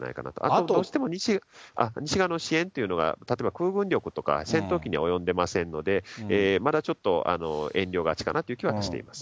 あとどうしても、西側の支援というのが、例えば、空軍力とか、戦闘機に及んでませんので、まだちょっと遠慮がちかなという気はしています。